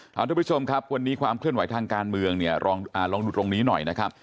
ทุกผู้ชมครับวันนี้ความเคลื่อนไหวทางการเมืองเนี่ยลองดูตรงนี้หน่อยนะครับ